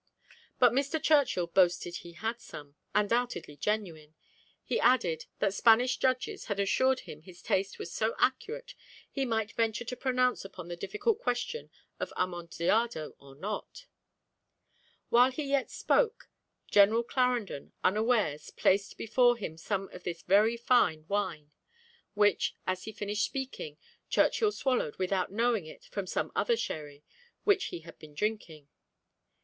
But Mr. Churchill boasted he had some, undoubtedly genuine; he added, "that Spanish judges had assured him his taste was so accurate he might venture to pronounce upon the difficult question of amontillado or not!" While he yet spoke, General Clarendon, unawares, placed before him some of this very fine wine, which, as he finished speaking, Churchill swallowed without knowing it from some other sherry which he had been drinking.